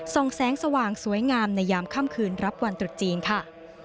แสงสว่างสวยงามในยามค่ำคืนรับวันตรุษจีนค่ะ